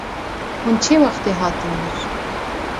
Hûn çê wextê hatin vir?